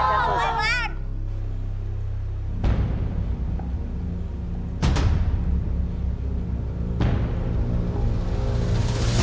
จบ